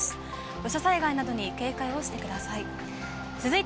土砂災害などに警戒をしてください。